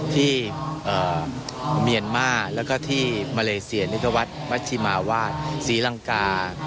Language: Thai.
เมียนมาแล้วก็ที่มาเลเซียนี่ก็วัดวัชิมาวาดศรีลังกา